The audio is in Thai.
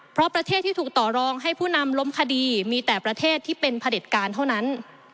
เพราะประเทศที่ถูกต่อรองให้ผู้นำล้มคดีมีแต่ประเทศที่เป็นผลิตการเท่านั้น